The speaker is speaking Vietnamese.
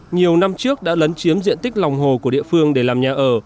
nhiều năm trước đã lấn chiếm diện tích lòng hồ của địa phương để làm nhà ở